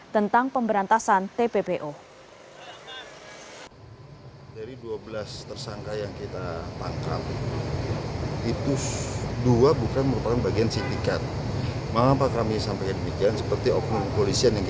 tentang pemberantasan tppo